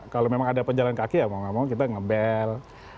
kalau memang ada pejalan kaki ya mau nggak mau kita ngebel